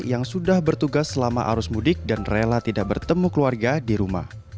yang sudah bertugas selama arus mudik dan rela tidak bertemu keluarga di rumah